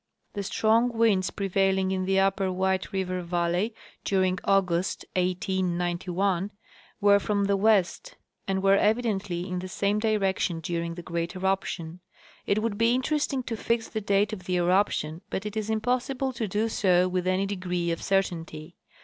The strong winds prevailing in the upper White River valley during August, 1891, were from the west and Avere evidently in the same direction during the great eruption. It would be interesting to fix the date of the eruption, but it is impossible to do so with any degree of certainty.